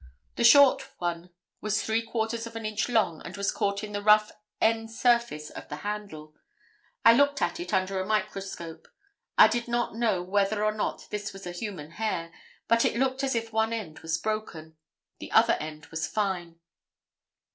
The short one was three quarters of an inch long and was caught in the rough end surface of the handle. I looked at it under a microscope. I do not know whether or not this was a human hair, but it looked as if one end was broken; the other end was fine."